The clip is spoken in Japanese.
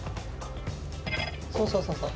そうそうそうそう。